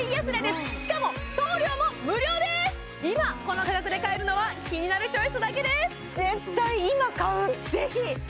今この価格で買えるのは「キニナルチョイス」だけです絶対今買うぜひ！